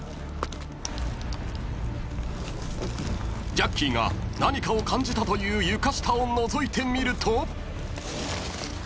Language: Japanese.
［ジャッキーが何かを感じたという床下をのぞいてみると］